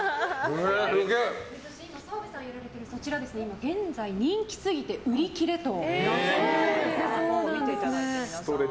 今、澤部さんがやられているそちら現在、人気過ぎて売り切れと。